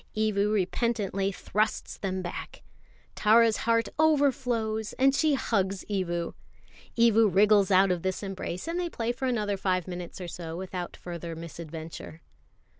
Evu repentantly thrusts them back. Tara's heart overflows, and she hugs Evu. Evu wriggles out of this embrace, and they play for another five minutes or so without further misadventure.